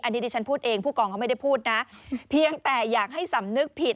อันนี้ดิฉันพูดเองผู้กองเขาไม่ได้พูดนะเพียงแต่อยากให้สำนึกผิด